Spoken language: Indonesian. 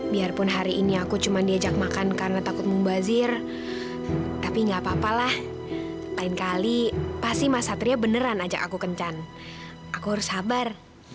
biarpun hari ini aku cuma diajak makan karena takut membazir tapi gak apa apa lah lain kali pasti mas satria beneran ajak aku kencan aku harus sabar